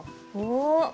お。